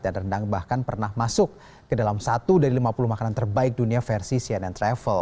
dan rendang bahkan pernah masuk ke dalam satu dari lima puluh makanan terbaik dunia versi cnn travel